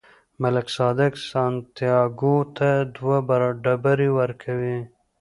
ملک صادق سانتیاګو ته دوه ډبرې ورکوي.